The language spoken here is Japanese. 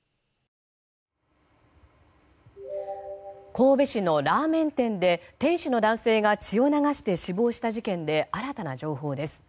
神戸市のラーメン店で店主の男性が血を流して死亡した事件で新たな情報です。